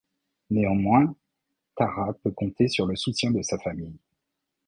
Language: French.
Néanmoins, Tara peut compter sur le soutien de sa famille.